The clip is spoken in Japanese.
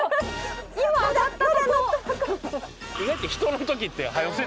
今上がったとこ。